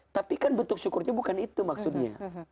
tapi kan bentuk syukurnya bukan itu maksudnya